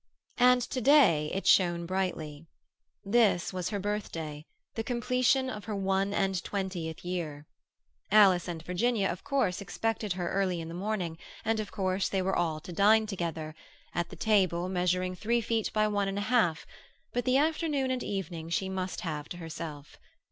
And to day it shone brightly. This was her birthday, the completion of her one and twentieth year. Alice and Virginia of course expected her early in the morning, and of course they were all to dine together—at the table measuring three feet by one and a half; but the afternoon and evening she must have to herself.